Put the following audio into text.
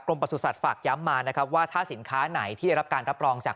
ประสุทธิ์ฝากย้ำมานะครับว่าถ้าสินค้าไหนที่ได้รับการรับรองจาก